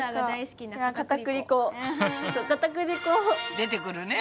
出てくるね。